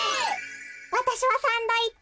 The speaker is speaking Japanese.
わたしはサンドイッチ。